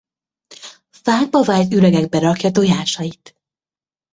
Fákba vájt üregbe rakja tojásait.